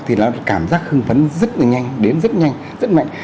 thì nó cảm giác hương phấn rất là nhanh đến rất nhanh rất mạnh